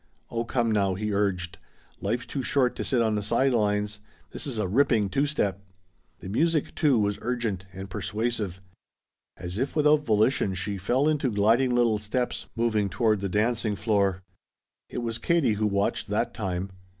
"Oh come now," he urged. "Life's too short to sit on the side lines. This is a ripping two step." The music, too, was urgent and persuasive. As if without volition she fell into gliding little steps, moving toward the dancing floor. It was Katie who watched that time.